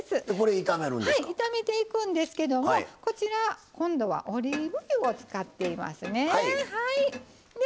炒めていくんですけどもこちら今度はオリーブ油を使っていますね。